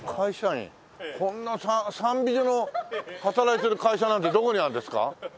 こんな３美女の働いてる会社なんてどこにあるんですか？